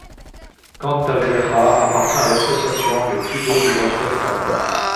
Cantavieja appartient à l'association Les Plus Beaux Villages d'Espagne.